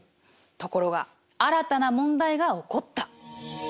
ところが新たな問題が起こった。